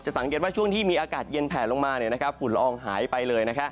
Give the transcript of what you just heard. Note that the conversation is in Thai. สังเกตว่าช่วงที่มีอากาศเย็นแผลลงมาฝุ่นละอองหายไปเลย